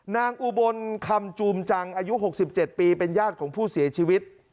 อุบลคำจูมจังอายุ๖๗ปีเป็นญาติของผู้เสียชีวิต